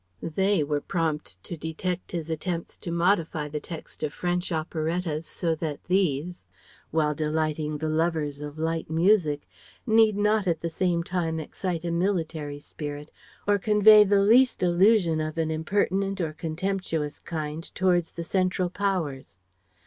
They were prompt to detect his attempts to modify the text of French operettas so that these, while delighting the lovers of light music, need not at the same time excite a military spirit or convey the least allusion of an impertinent or contemptuous kind towards the Central Powers.